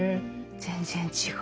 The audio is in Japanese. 全然違う。